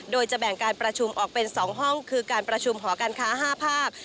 โดยจะแบ่งการประชุมออกเป็น๒ห้องคือการประชุมหอการค้า๕ภาค